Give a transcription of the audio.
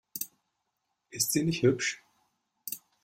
Ist sie nicht hübsch?